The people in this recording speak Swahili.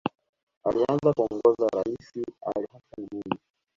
Alianza kuongoza raisi Ali Hassan Mwinyi